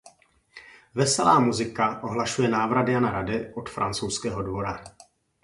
Veselá muzika ohlašuje návrat Jana Rady od francouzského dvora.